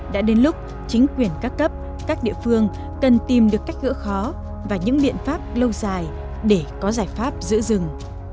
đã đến lúc chính quyền các cấp các địa phương cần tìm được cách gỡ khó và những biện pháp lâu dài để có giải pháp giữ rừng